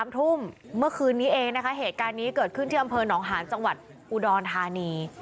๓ทุ่มเมื่อคืนนี้เองนะคะเหตุการณ์นี้เกิดขึ้นที่อำเภอหนองหาญจังหวัดอุดรธานี